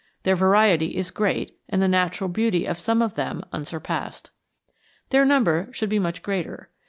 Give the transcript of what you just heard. Their variety is great and the natural beauty of some of them unsurpassed. Their number should be much greater.